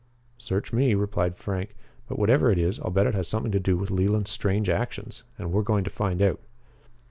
"Search me," replied Frank. "But whatever it is, I'll bet it has something to do with Leland's strange actions. And we're going to find out."